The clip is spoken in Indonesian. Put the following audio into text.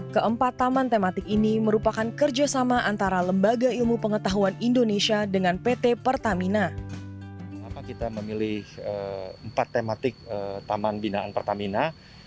keempat taman tematik ini merupakan kerjasama antara lembaga ilmu pengetahuan indonesia dengan pt pertamina